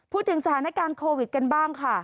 พูดถึงสถานการณ์โควิดกันบ้างค่ะ